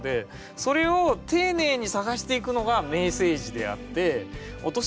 それを丁寧に探していくのが名政治であって。